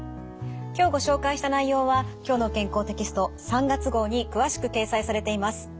今日ご紹介した内容は「きょうの健康」テキスト３月号に詳しく掲載されています。